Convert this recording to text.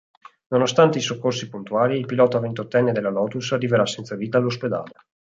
Nonostante i soccorsi puntuali, il pilota ventottenne della Lotus arriverà senza vita all'ospedale.